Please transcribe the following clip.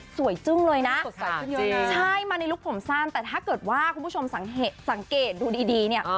จึ้งเลยนะใช่มาในลุคผมสั้นแต่ถ้าเกิดว่าคุณผู้ชมสังเกตดูดีดีเนี่ย